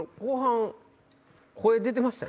出てました？